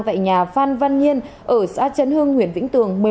tại nhà phan văn nhiên ở xã trấn hưng huyện vĩnh tường